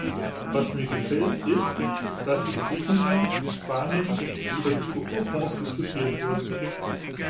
Was mir gefällt, ist, dass in Griechenland, in Spanien über die Strukturfonds diskutiert wird.